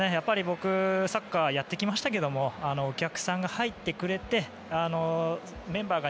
僕、サッカーやってきましたけどお客さんが入ってくれてメンバーが